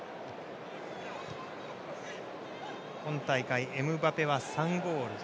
今大会エムバペは３ゴール。